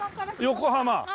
横浜！